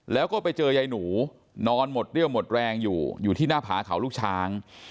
แล้วก็ไปเจอยายหนูนอนหมดเรี่ยวหมดแรงอยู่อยู่ที่หน้าผาเขาลูกช้าง